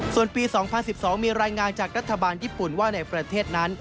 ส่วนปี๒๐๑๒มีรายงานจากรัฐบาลญี่ปุ่นว่าในประเทศนั้น